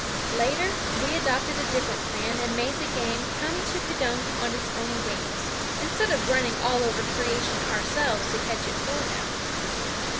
Later we adopted a different plan and made the game come to K'dunk on its own wings, instead of running all over creation ourselves to catch it for him.